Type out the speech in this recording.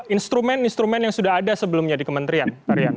instrumen instrumen yang sudah ada sebelumnya di kementerian